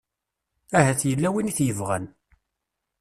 Ahat yella win i t-yebɣan.